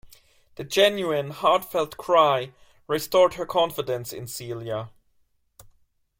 The genuine, heartfelt cry restored her confidence in Celia.